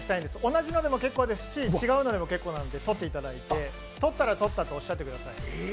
同じのでも結構ですし、違うのでも結構なので取っていただいて、取ったら取ったとおっしゃってください。